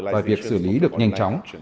và việc xử lý được nhanh chóng